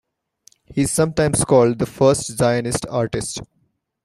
He is sometimes called the first Zionist artist.